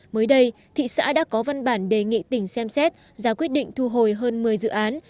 mới đây thị xã đã có văn bản đề nghị tỉnh xem xét ra quyết định thu hồi hơn một mươi dự án